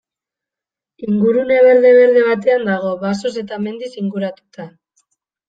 Ingurune berde-berde batean dago, basoz eta mendiz inguratuta.